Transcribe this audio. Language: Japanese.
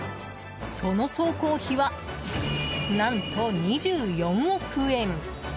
その総工費は、何と２４億円。